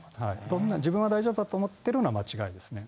自分は大丈夫だと思っているのは間違いですね。